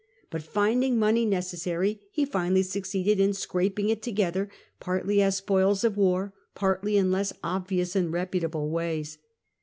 But finding money necessary, he finally succeeded in scraping it together, partly as spoils of war, partly in less obvious and reputable ways.